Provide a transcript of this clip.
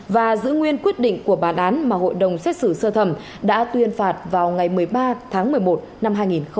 và giữ nguyên quyết định của bản án mà hội đồng xét xử sơ thẩm đã tuyên phạt vào ngày một mươi ba tháng một mươi một năm hai nghìn một mươi bảy